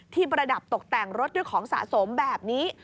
ประดับตกแต่งรถด้วยของสะสมแบบนี้